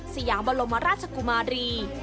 สยามบรมราชกุมารี